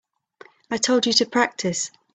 I told you to practice.